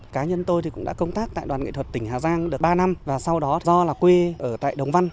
công tác tại đoàn nghệ thuật tỉnh hà giang được ba năm và sau đó do là quê ở tại đồng văn